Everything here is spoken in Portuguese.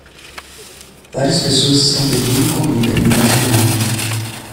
Várias pessoas estão pedindo comida em uma janela.